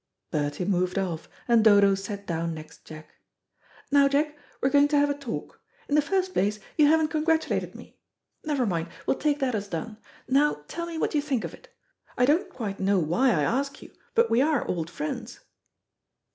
Bertie moved off, and Dodo sat down next Jack. "Now, Jack, we're going to have a talk. In the first place you haven't congratulated me. Never mind, we'll take that as done. Now tell me what you think of it. I don't quite know why I ask you, but we are old friends."